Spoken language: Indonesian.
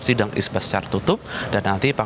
sidang isbat secara tutup dan nanti